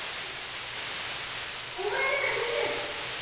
おまえならできる！